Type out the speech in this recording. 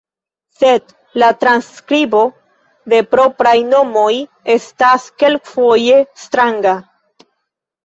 Sed la transskribo de propraj nomoj estas kelkfoje stranga.